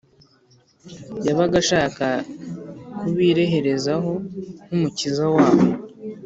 yabaga ashaka kubireherezaho nk’umukiza wabo